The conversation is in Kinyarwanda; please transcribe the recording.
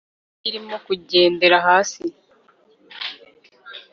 mu gihe indege irimo kugendera hasi